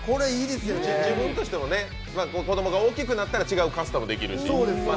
自分としても子供が大きくなったら、また違うカスタムできるし。